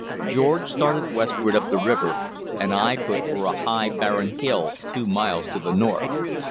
George started westward up the river, and I put for a high, barren bill two miles to the north.